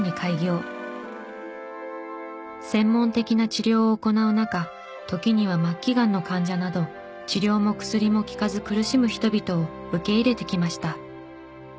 専門的な治療を行う中時には末期がんの患者など治療も薬も効かず苦しむ人々を受け入れてきました。